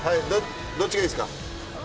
どっちがいいですか。